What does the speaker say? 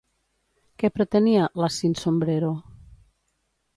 Què pretenia Las Sinsombrero?